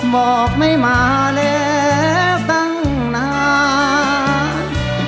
บอกไม่มาแล้วตั้งนาน